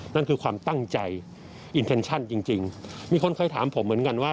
นั่นคือความตั้งใจอินเทนชั่นจริงมีคนเคยถามผมเหมือนกันว่า